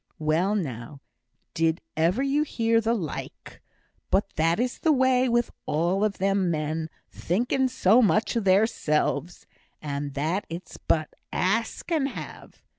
Well now! did ever you hear the like? But that is the way with all of them men, thinking so much of theirselves, and that it's but ask and have.